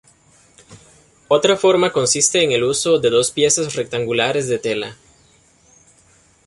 Otra forma consiste en el uso de dos piezas rectangulares de tela.